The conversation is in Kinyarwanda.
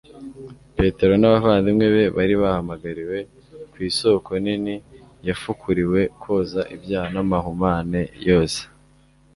Petero n'abavandimwe be bari bamhagiriwe ku isoko nini yafukuriwe koza ibyaha n'amahumane yose.